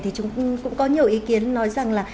thì cũng có nhiều ý kiến nói rằng là